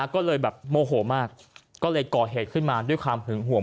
ก็เลยแบบโมโหมากก็เลยก่อเหตุขึ้นมาด้วยความหึงห่วง